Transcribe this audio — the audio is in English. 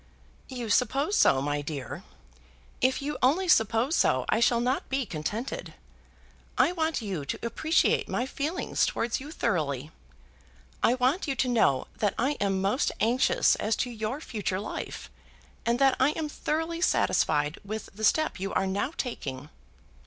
"You suppose so, my dear! If you only suppose so I shall not be contented. I want you to appreciate my feelings towards you thoroughly. I want you to know that I am most anxious as to your future life, and that I am thoroughly satisfied with the step you are now taking."